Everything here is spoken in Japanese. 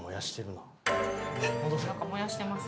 なんか燃やしてますね。